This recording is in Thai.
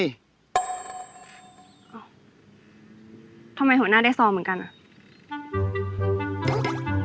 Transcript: ทำไมหัวหน้าได้ซองเหมือนกันอ่ะ